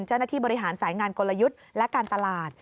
เจ้าหน้าที่บริหารสายงานกลยุทธ์และการตลาด